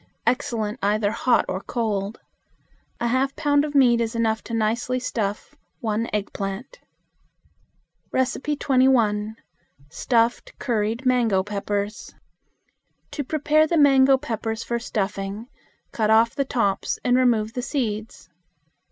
Excellent either hot or cold. A half pound of meat is enough to nicely stuff one eggplant. 21. Stuffed Curried Mango Peppers. To prepare the mango peppers for stuffing, cut off the tops and remove the seeds.